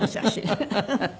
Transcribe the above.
フフフフ。